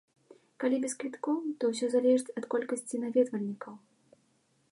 Калі без квіткоў, то ўсё залежыць ад колькасці наведвальнікаў.